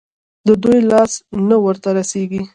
د دوى لاس نه ورته رسېږي.